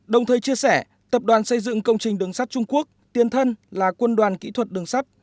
đồng thời chia sẻ tập đoàn xây dựng công trình đường sắt trung quốc tiên thân là quân đoàn kỹ thuật đường sắt